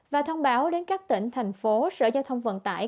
và thông báo đến các tỉnh thành phố sở giao thông vận tải